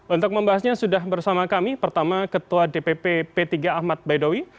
untuk membahasnya sudah bersama kami pertama ketua dpp p tiga ahmad baidowi